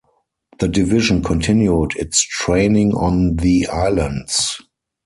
The division continued its training on the islands.